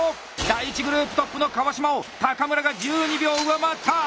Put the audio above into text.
第１グループトップの川島を高村が１２秒上回った！